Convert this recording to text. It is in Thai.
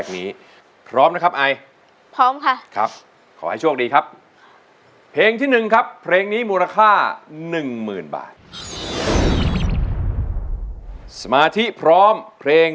ก็จะได้ไปให้คุณแม่ผ่าตัดได้เลยนะ